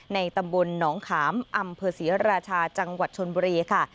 ตำบลหนองขามอำเภอศรีราชาจังหวัดชนบุรีค่ะ